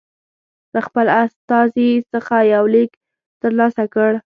له خپل استازي څخه یو لیک ترلاسه کړ.